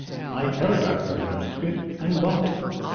I telegraphed for the manuscript and got it.